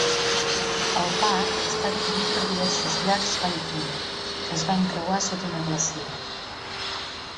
El par està dividit per diversos llacs vall túnel, que es van crear sota una glacera.